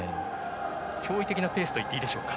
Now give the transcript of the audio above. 驚異的なペースといっていいでしょうか。